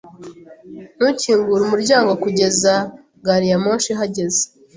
Ntukingure umuryango kugeza gari ya moshi ihagaze.